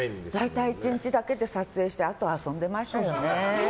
大体、１日だけで撮影してあと、遊んでましたよね。